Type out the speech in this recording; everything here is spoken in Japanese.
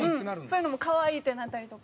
そういうのも「可愛い！」ってなったりとか。